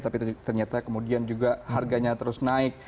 tapi ternyata kemudian juga harganya terus naik